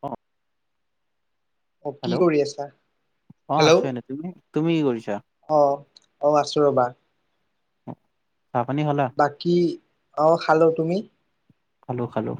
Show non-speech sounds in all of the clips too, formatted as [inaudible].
অ। অ কি হেল্ল' কৰি আছা? অ আছো হেল্ল' এনে তুমি তুমি কি কৰিছা অ অ আছো ৰ'বা [inaudible] বাকী অ খালো তুমি খালো খালো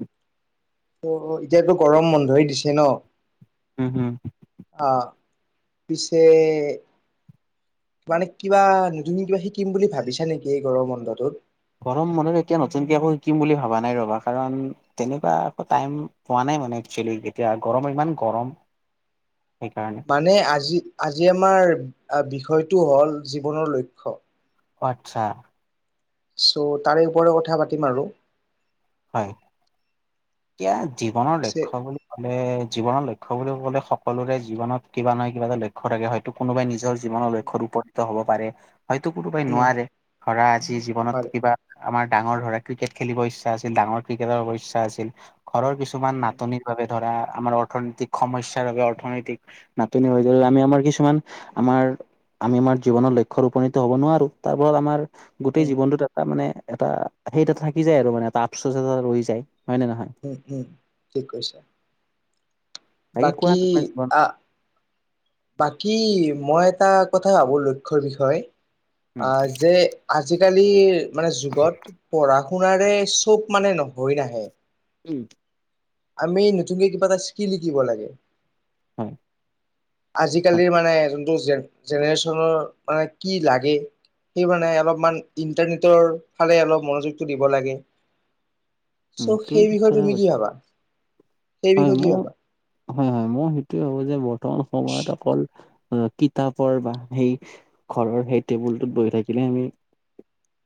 উ অ অ এতিয়াতো গৰম বন্ধই দিছে ন হম হম অ পিছে- মানে কিবা নতুন কিবা শিকিম বুলি ভাবিছা নেকি এই গৰম বন্ধটোত? গৰম বন্ধত এতিয়া নতুনকে একো শিকিম বুলি ভাবা নাই ৰবা কাৰণ তেনেকুৱা একো টাইম পোৱা নাই। ভবা নাই একচুৱেলি এতিয়া গৰম ইমান গৰম [inaudible] সেইকাৰণে মানে আজি আজি আমাৰ বিষয়টো হল জীৱনৰ লক্ষ্য আতছা চ' তাৰেওপৰে কথা পাতিম আৰু হয় এতিয়া জীৱনৰ পিছে লক্ষ্য বুলি কলে জীৱনৰ লক্ষ্য বুলি ক'লে সকলোৰে জীৱনত কিবা নহয় কিবা এটা লক্ষ্য থাকে হয়তো কোনোবাই নিজৰ জীৱনৰ লক্ষ্য উপনীত হ'ব পাৰে হয়তো কোনোবাই উম নোৱাৰে ধৰা আজি জীৱনত নোৱাৰে কিবা আমাৰ ডাঙৰ ধৰা ক্ৰিকেট খেলিব ইচ্ছা আছিল ডাঙৰ ক্ৰিকেটৰ ইচ্ছা আছিল ঘৰৰ কিছুমান উম নাটনিৰ বাবে ধৰা আমাৰ অৰ্থনৈতিক সমস্যাৰ বাবে অৰ্থনৈতিক নাটনি হৈ উম গ'লে আমি আমাৰ কিছুমান আমাৰ আমি আমাৰ জীৱনৰ লক্ষ্যত উপনীত হ'ব নোৱাৰো তাৰ ফলত আমাৰ গোটেই উম জীৱনটোত এটা মানে এটা সেই এটা থাকি যায় আৰু মানে এটা আফচোচ এটা ৰৈ যায় হয় নে নহয় উম উম ঠিক কৈছা কোৱা বাকী তোমাৰ জীৱন আহ বাকী মই এটাক কথা ভাবো লক্ষ্যয় বিষয়। উম আহ যে আজিকালি মানে যুগত পঢ়া শুনাৰে চব মানে হয় নাহে। উম আমি নতুনকে কিবা এটা চিকি লিখিব লাগে হয় হয় আজিকালিৰ মানে যোনটো জেনেৰেশ্বনৰ মানে কি লাগে সেই মানে অলপমান ইন্টাৰনেটৰ ফালে অলপ মনোযোগটো দিব লাগে উম চ' তুমি সেই ঠিক বিষয়ে কথা তুমি কি কৈছা ভাবা? সেই হয় বিষয়ে ম কি ভাবা হয় হয় মই সেইটোৱে ভাবো যে বৰ্তমান সময়ত অকল কিতাপৰ বা সেই ঘৰৰ সেই টেবুলটোত বহি থাকিলে আমি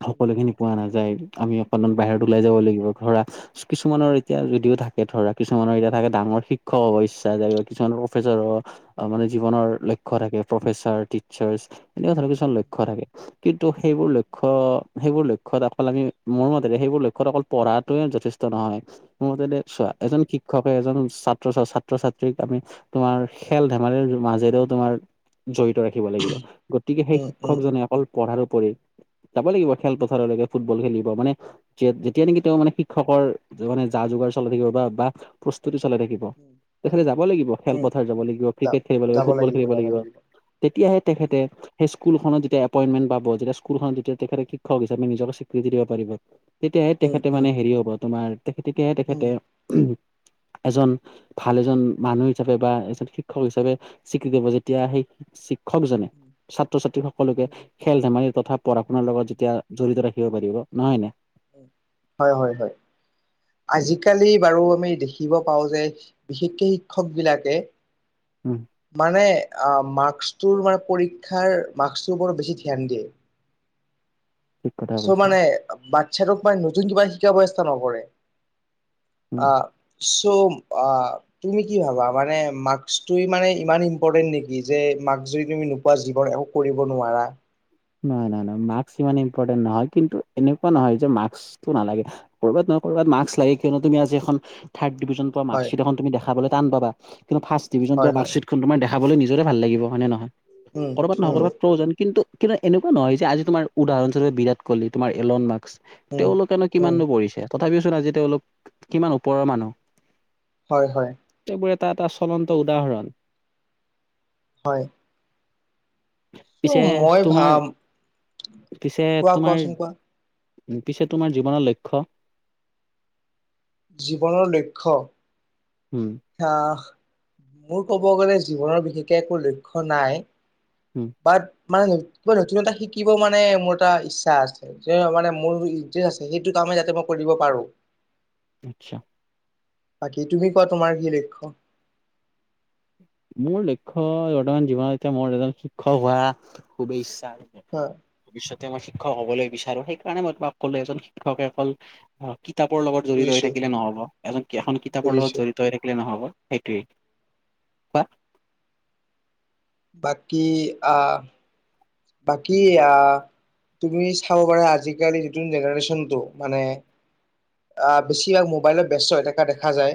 সকলো খিনি পোৱা নাযায় আমি অকনমান বাহিৰত ওলাই যাব লাগিব ধৰা কিছুমানৰ এতিয়া যদিও থাকে ধৰা কিছুমানৰ এতিয়া থাকে ডাঙৰ শিক্ষক হ'ব ইচ্ছা যায় কিছুমানৰ প্ৰফেচৰ হ মানে জীৱনৰ লক্ষ্য থাকে প্ৰফেছাৰ ট্ৰিছাৰ এনেকুৱা ধৰৰ কিছু লক্ষ্য থাকে। কিন্তু সেইবোৰ লক্ষ্য সেইবোৰ লক্ষ্য লক্ষ্যত অকল আমি মোৰ মতেৰে সেইবোৰ লক্ষ্যত অকল পঢ়াতোয়ে যথেষ্ট নহয় মোৰ মতে দে চোৱা এজন শিক্ষক এজন ছাত্ৰ ছাত্ৰীক আমি তোমাৰ খেল ধেমালিৰ মাজেৰেও তোমাৰ জ ৰাখিব লাগিব, গতিকে সেই উম উম শিক্ষকজনে অকল পঢ়াৰ উপৰি যাব লাগিব খেলপথাৰলৈকে ফুটবল খেলিব মানে জে জে তেতিয়া নেকি তেওঁ মানে শিক্ষকৰ মানে যা যোগাৰ চলাই থাকিব বা প্ৰস্তুতি চলাই থাকিব। তেখেতে যাব লাগিব উম খেলপথাৰ যাব লাগিব, যা ক্ৰিকেট খেলিব লাগিব, যাব ফুটবল খেলিব যাব লাগিব। তেতিয়াহে তেখেতে সেই স্কুলখনত যেতিয়া এপইণ্টেণ্ট পাব যেতিয়া স্কুলখনতি তেখতে শিকক হিচাপে নিজক স্বীৃতি দিব পাৰিব। তেতিয়াহে উম তেখেতে উম মানে হেৰি হ'ব তোমাৰ তেখে তেতিয়াহে উম উম তেখেতে এজন ভাল এজন মানুহ হিচাপে বা এজন শিক্ষক হিচাপে স্বীকৃতি দিব যেতিয়া সেই শিক্ষক জনে উম ছাত্ৰ -ছাত্ৰী সকলোকে খেল- ধেমালি তথা পঢ়া -শুনাৰ লগত উম যেতিয়া জড়িত ৰাখ থাকিব পাৰিব নহয় নে? হয় হয় হয় আজিকালি বাৰু। আমি দেখিব পাওঁ যে বিশেষকে শিক্ষক বিলাকে উম মানে, মাক্সটোৰ মান পৰীক্ষাৰ মাক্সটোত বেছি ধ্যান দিয়ে। ঠিক কথা চ' কৈছা মানে বাচ্ছাটোক মানে নতুন কিবা শিক্ষা ব্যৱস্থা নকৰে। উম আহ চ' আ তুমি কি ভাবা মানে মাক্সটো মানে ইমান ইম্পৰ্টেন্ট নেকি যে মাক্স যদি তুমি নোপোৱা জীৱন একো কৰিব নোৱাৰা। নহয় নহয় মাক্স ইমান ইম্পৰ্টেন্ট নহয় কিন্তু এনেকুৱা নহয় যে মাক্সটো নালাগে কৰবাত ক'ৰবাত মাক্স লাগেই কিয়নো আজি এখন থা ডিভিজন পোৱা হয় মাক্সিত এখন তুমি দেখাব টান পাবা কিন্তু ফাৰ্ষ ডিভিজন হয় পোৱা হয় মাক্সচিতখন তোমাৰ দে খাবলৈ নিজৰে ভাল লাগিব হয় নে নহয় উম কৰ'বাত নহয় উম কৰ'বাত প্ৰয়োজন কিন্তু কিন্তু এনেকুৱা নহয় যে আজি তোমাৰ উদাহৰণস্বৰূপ বিৰাটকলি তোমাৰ এলন মাৰ্ক্স। উম তেওঁলোকেনো উম কিমাননো পঢ়িছে তথাপিওচোন আজি তেওঁলোক কিমান ওপৰৰ মানুহ। হয় হয়। চবৰে এটা এটা চলন্ত উদাহৰণ। হয়। পিছে উম মই তোমাৰ ভাম পিছে কোৱা তোমাৰ কোৱাচোন কোৱা। পিছে তোমাৰ জীৱনৰ লক্ষ্য? জীৱনৰ লক্ষ্য। উম আহ মোৰ কব গ'লে জীৱনৰ বিশেষকে একো লক্ষ্য নাই। উম বাট, মানে নতুন এটা শিকিব মানে মোৰ এটা ইচ্ছা আছে যে মানে মোৰ আছে সেইটো কাম যাতে মই কৰিব পাৰোঁ। আচ্ছা। বাকী তুমি কোৱা তোমাৰ কি লক্ষ্য? মোৰ লক্ষ্য বৰ্তমান জীৱন এতিয়া মোৰ এজন শিক্ষক হোৱা খুব ই হা ভৱিষ্যতে মই শিক্ষক হ'বলৈ বিচাৰো সেইকাৰণে মই তোমাক ক'লো এজন শিক্ষকে অকল কিতাপৰ লগত জড়িত হৈ বুজিছো থাকিলে নহব এজন এখন কিতাপৰ বুজিছো লগত জড়িত হৈ থাকিলে নহব। সেইটোৱে বা। বাকী আহ, বাকী আহ, তুমি চাব পাৰা আজিকালি নতুন জেনেৰেচনটো মানে আহ বেছিভাগ মোবাইলত ব্যস্ত হৈ থকা দেখা যায়।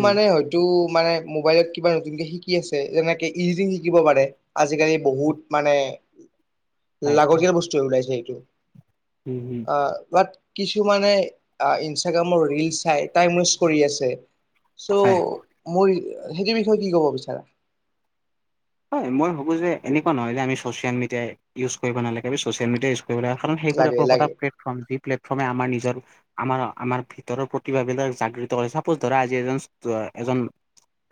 উম হয়তো মানে মোবাইলত কিবা নতুনকে শিকি আছে যেনেকে ইডীটিং শিকিব পাৰে। আজিকালি বহুত মানে হয় হয় লাগতীয়াল বস্তুৱে ওলাইছে এইটো। উম উম আ বাত কিছুমানে ইনষ্টাগ্ৰামৰ ৰিল চাই। টাইম ৱেষ্ট কৰি আছে, চ' হয় মোৰ সেইটোৰ বিষয়ে কি ক'ব বিচাৰা? হয় মই ভাবো যে এনেকুৱা নহয় যে আমি চচিয়েল মিডিয়াই ইউজ কৰিব নালাগে আমি ছচিয়েল মিডিয়া ইউজ কাৰণ সেইবোৰ লাগে একোটা লাগে প্লেটফৰ্ম যি প্লেটফৰ্মে আমাৰ নিজৰ আমাৰ আমাৰ ভিতৰৰ প্ৰতিভাবিলাক জাগ্ৰিত কৰে চাপোজ ধৰা আজি এজন এজন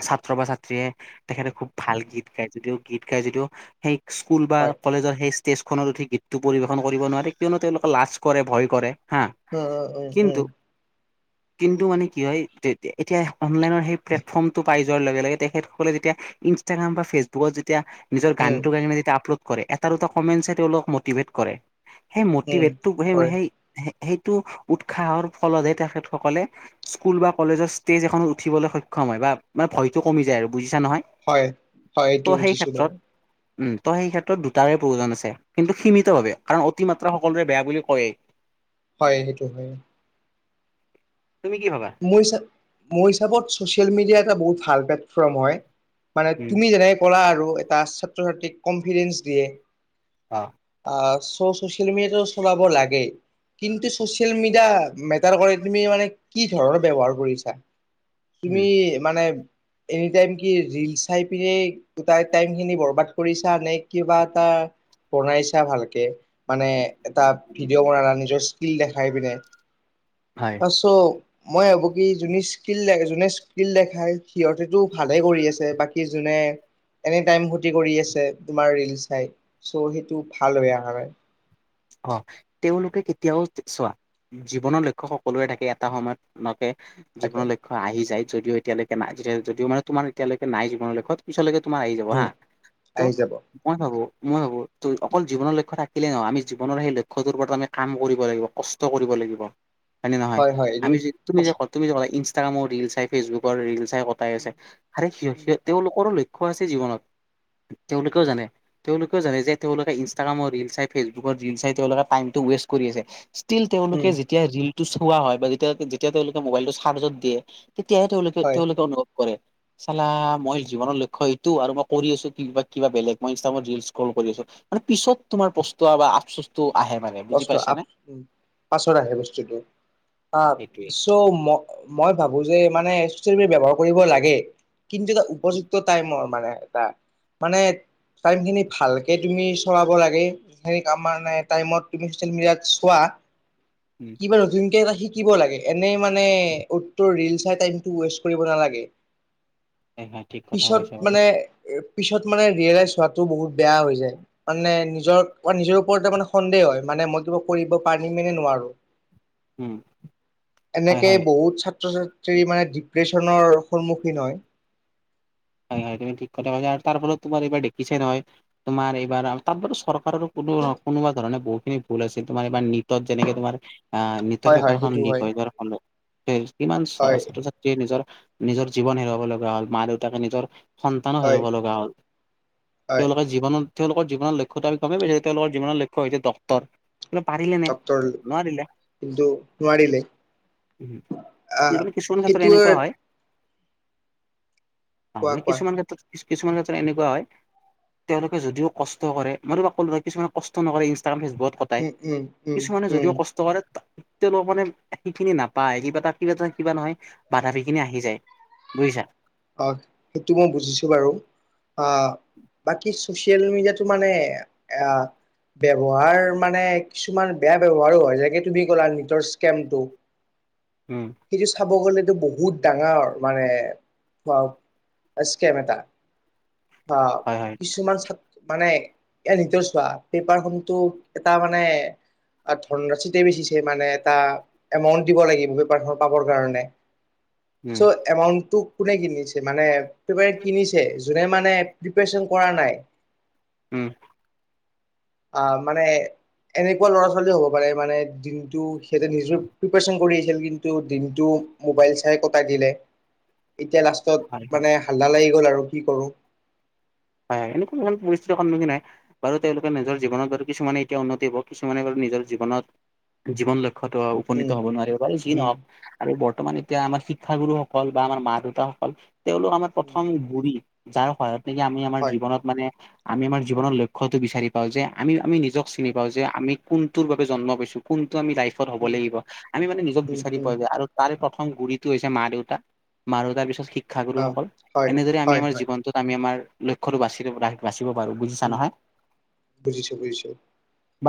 ছাত্ৰ বা ছাত্ৰীয়ে তেখেতে খুব ভাল গীত, গায় গাই যদিও গীত গাই যদিও সেই স্কুল বা হয়। কলেজৰ সেই ষ্টেজখনত উঠি গীতটো পৰিৱেশন কৰিব নোৱাৰে কিয়নো তেওঁলোকে লাজ কৰে ভয় কৰে। হা উ উ উম কিন্তু উম কিন্তু মানে কি হয় এতিয়া অনলাইনৰ সেই প্লেটফৰ্মটো পাই যোৱাৰ লগে লগে তেখেতসকলে যেতিয়া ইষ্টাগ্ৰ ফেচবুকত যেতিয়া নিজৰ উম গানটো গাইনে যেতিয়া আপলোড কৰে এটা দুটা কমেন্ট তেওঁলোক মটিভেট কৰে। সেই উম মটিভেটতো সেই কৰে সেই সেই টো উৎসাহৰ ফলতহে তেখেতসকলে স্কুল বা কলেজৰ ষ্টেজ এখনত উঠিবলৈ সক্ষম হয় বা মানে ভয়তো কমি যায় আৰু বুজিছা নহয়। হয় হয় ত' এইটো সেই বুজিছো বাৰু ক্ষেত্ৰত উম ত' সেই ক্ষেত্ৰত দুটাৰে প্ৰয়োজন আছে কিন্তু সীমিতভাৱে কাৰণ অতিমাত্ৰা সকলোৰে বেয়া বুলি কৈয়েই হয় সেইটো হয় তুমি কি ভাবা মোৰ হিচা মোৰ হিচাপত চচিয়েল মিডিয়া এটা বহুত ভাল প্লেটফৰ্ম হয় মানে উম তুমি যেনেকে কৰা আৰু এটা চ কনভিডেঞ্চ দিয়ে অ বাছ চচিয়েল মিডিয়াটো চলাব লাগে কিন্তু চচিয়েল মিডিয়া মেটাৰ কৰে তুমি মানে কি ধৰণৰ ব্যৱহাৰ কৰিছা উম তুমি মানে এনিটাইম কি ৰিল চাই পিনে গোটাই টাইম খিনি বৰবাদ কৰিছা নে কিবা এটা বনাইছা ভালকে মানে এটা ভিডিঅ' বনা নিজৰ স্কিল দেখাই পিনে হয় আছো মই ভাবো কি যোনে স্কিল যোনে স্কিল দেখায় সিহঁতেতো ভালে কৰি আছে বাকী যোনে এনি টাইম ফূৰ্তি কৰি আছে তোমাৰ ৰিল চাই চ' সেইটো ভাল হয় অ কাৰ হয় অ তেওঁলোকে কেতিয়াও চোৱা জীৱনৰ লক্ষ্য সকলোৰে থাকে এটা সময়ত একে তাকে জীৱনৰ লক্ষ্য আহি যায় যদিও এতিয়ালৈকে নাই যদিও মানে তোমাৰ এতিয়ালৈকে নাই জীৱনৰ লক্ষ্য পিছলৈকে তোমাৰ আহি যাব উম হা ত' আহি যাব মই ভাবো মই ভাবো ত অকল জীৱনৰ লক্ষ্য থাকিলে নহয় আমি জীৱনৰ সেই লক্ষ্যটোৰ ওপৰত আমি কাম কৰিব লাগিব কষ্ট কৰিব লাগিব হয় নে নহয় হয় হয় এইটো আমি যে তুমি যে কষ্ট তুমি যে ক ইনষ্টাগ্ৰামৰ ৰিলচ চাই ফেচবুকৰ ৰিলচ কটাই উম আছে আৰে সি উম সে তেওঁলোকৰ ল লক্ষ্য আছে জীৱনত তেওঁলোকেও জানে তেওঁলোকেও জানে যে তেওঁলোকে ইনষ্টাগ্ৰামৰ ৰিলচ চাই ফেচবুক ত ৰিলচ চাই তেওঁলোকে টাইম টো ৱেষ্ট কৰি আছে ষ্টিল তেওঁলোকে উম যেতিয়া ৰিল চোৱা হয় বা যেতিয়া যেতিয়া তেওঁলোকে মোবাইলটো চাৰ্জত দিয়ে তেতিয়াহে তেওঁলোকে হয় তেওঁলোকে অনুভৱ কৰে চালা মই জীৱনৰ লক্ষ্য এইটো আৰু মই কৰি আছো ক কিবা বেলেগ মই ইনষ্ট্ৰাগামত ৰিলচ স্কল কৰি আছো মানে পিছত তোমাৰ পস্তবা আপচিচতো কষ্ট আ পাছত আহে বস্তুটো অ সেইটোৱে চ ম মই ভাবো বো যে মানে চচিয়েল মিডিয়া ব্যৱহাৰ কৰিব লাগে কিন্তু এটা উপযুক্ত টাইমৰ মানে এটা মানে টাইমখিনি ভালকে তুমি চলাব লাগে এ তামানে টাইমত এতিয়া চচিয়েল মিডিয়াত চোৱা উম কিবা নতুনকে এটা শি কিব লাগে এনেই মানে উত ত'ত ৰিলচ চাই টাইম ৱেষ্ট কৰিব নালাগে। হয় হয় ঠিক কথা পিছত কৈছা বাৰু মানে পিছত মানে ৰিয়েলাইজ হোৱাটো বহুত বেয়া হৈ যায় মানে নিজৰ বা নিজৰ ওপৰতে মানে সন্দেহ হয় মানে মই কিবা কৰিব পাৰিম নে নোৱাৰো। উম হয় এনেকে হয়। বহুত ছাত্ৰ ছা ত্ৰী মানে ডিপ্ৰেছনৰ সন্মুখীন হয়। হয় হয় তুমি ঠিক কথা কৈছা আৰু তাৰ ওপৰত তোমাৰ এইবাৰ দেখিছাই নহয় তোমাৰ এইবাৰ তাত চৰকাৰ কোনো কোনোবা ধৰণে বহুতখিনি ভুল আছিল তোমাৰ এবাৰ নৃত্যত যেনেকে তোমাৰ অহ নেটৰ হয় হয় পেপাৰখন সেইটো হয়। লিক হৈ যোৱাৰ ফলত কিমান হয় ছাত্ৰ ছাত্ৰীয়ে নিজৰ নিজৰ জীৱন হেৰুৱাব লগা হ'ল মা দেউতাকে নিজৰ সন্তানো হয় হেৰুৱাব লগা হ'ল হয় তেওঁলোকে জীৱনত তেওঁলোকৰ জীৱনৰ লক্ষ্যটো আমি গমেই পাইছো তেওঁলোকৰ জীৱনৰ লক্ষ্য হৈছে ডক্তৰ পাৰিলে নে ডক্তৰ নোৱাৰিলে কিন্তু নোৱাৰিলে উ এই আহ মানে কিছুমান ক্ষেত্ৰত সেইটোৱে এনেকোৱা হয়। অ কোৱা মানে কোৱা কিছুমান ক্ষেত্ৰত কিছুমান ক্ষেত্ৰত এনেকোৱা হয়। তেওঁলোকে যদিও কষ্ট কৰে মই কিছুমানে কষ্ট কৰে ইনষ্টাগ্ৰাম ফেচবুক বোৰত কটাই উম উম উম কিছুমানে উম যদিও কষ্ট কৰে তেওঁলোকক মানে সেইখিনি নাপায় কিবা এটা কিবা এটা কিবা নহয় বাধা খিনি আহি যায়। বুজিছা। অ সেইটো মই বুজিছো বাৰু আ বাকী। চচিয়েল মিডিয়াটো মানে আ। ব্যৱহাৰ মানে কিছুমান বেয়া ব্যৱহাৰো হয় যেনেকে তুমি ক'লা নিজৰ স্কেমটো। উম সেইটো চাব গলেতো বহুত ডাঙৰ মানে স্কেম এটা বা হয় হয় কিছুমান মানে এ নিজৰ চোৱা পেপাৰ খনো এটা মানে। আৰু ধন ৰাশিতে বেছিছে মানে এটা এমাউণ্ট দিব লাগিব পেপাৰখন পাবৰ কাৰণে উম চ' এমাউণ্ট কোনে কিনিছে মানে পেপ কিনিছে যোনে মানে প্ৰিপচন কৰা নাই উম আ মানে এনেকুৱা ল'ৰা ছোৱালী হ'ব পাৰে মানে দিনটো সিহঁতে নিজৰ প্ৰিপাৰচন কৰি আহিছিল কিন্তু দিনটো মোবাইল চাই কটাই দিলে এতিয়া লাষ্টত হয় হয় মানে হাল্লা লাগি গ'ল আৰু কি কৰো হয় হয় এনেকোৱা ইমান পৰিস্থিতিৰ সন্মুখীন হয় বাৰু তেওঁলোকে নিজৰ জীৱনত কিছুমানে এতিয়া উন্নতি হব কিছুমানে বাৰ নিজৰ জীৱনত জীৱন লক্ষ্যত উপনীত উম হব নোৱাৰিব যি উম নহওঁক বৰ্তমান এতিয়া আমাৰ শিক্ষাগুৰুসকল বা আমাৰ মা দেউতাসকল তেওঁলোক আমাৰ উম প্ৰথম গোৰি যাৰ সহায়ত নেকি আমি আমাৰ হয় জীৱনত মানে আমি আমাৰ জৱনৰ লক্ষ্যতো বিচাৰি পাওঁ যে আমি আমি। চিনি উম পাওঁ যে আমি কোনটোৰ বাবে জন্ম পাইছো কোন লাইফট হব' উম লাগিব আমি মানে নিজক উম বিচাৰি উম পোৱা যায় আৰু তাৰ প্ৰথম গুৰিটো হৈছে মা দেউতা মা দেউতাৰ পিছত শি অ', শিক্ষাগুৰুসকল হয়, এনেদৰে আমি হয়, আমাৰ হয়, জীৱনটোত আমি আমাৰ লক্ষ্যটো বাচি বা বুজিছা উম, নহয় বুজিছো, বুজিছো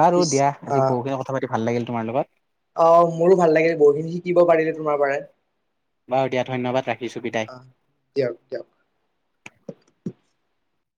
বাৰু পিছ দিয়া আজি আহ, বহুখিনি কথা পাতি ভাল লাগিল তোমাৰ লগত। অ মোৰো ভাল লাগিল বহুখিন শিকিব পাৰিলে তোমাৰ পৰা। বাৰু দিয়া ধন্যবাদ ৰাখি। আ দিয়ক দিয়ক।